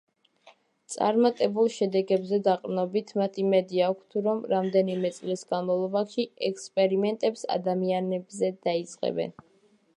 წარმატებულ შედეგებზე დაყრდნობით, მათ იმედი აქვთ, რომ რამდენიმე წლის განმავლობაში ექსპერიმენტებს ადამიანებზე დაიწყებენ.